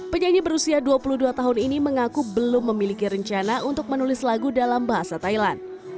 penyanyi berusia dua puluh dua tahun ini mengaku belum memiliki rencana untuk menulis lagu dalam bahasa thailand